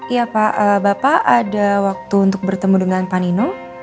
iya pak bapak ada waktu untuk bertemu dengan pak nino